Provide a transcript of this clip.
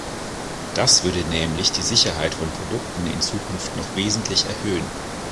Das würde nämlich die Sicherheit von Produkten in Zukunft noch wesentlich erhöhen.